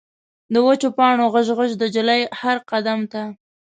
د وچو پاڼو غژ، غژ، د نجلۍ هر قدم ته